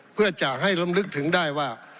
เพื่อจะให้ลำลึกถึงได้ว่า